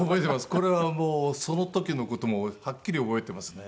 これはもうその時の事もはっきり覚えてますね。